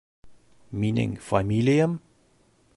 Минең фамилиям...